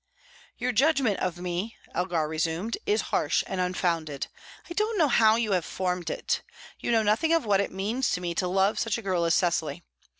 "Your judgment of me," Elgar resumed, "is harsh and unfounded. I don't know how you have formed it. You know nothing of what it means to me to love such a girl as Cecily.